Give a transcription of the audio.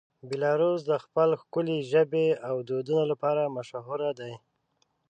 بیلاروس د خپل ښکلې ژبې او دودونو لپاره مشهوره دی.